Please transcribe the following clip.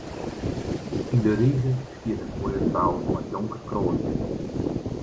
Yn de rige stiet in moaie frou mei donker krolhier.